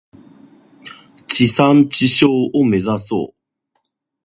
地産地消を目指そう。